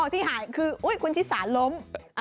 อ๋อที่หายคุณชิสาลล้ม